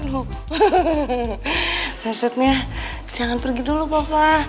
maksudnya jangan pergi dulu papa